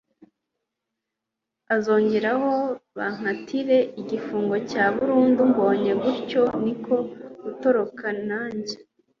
azongeraho bankatira igifungo cya burundu mbonye gutyo niko gutoroka nanjye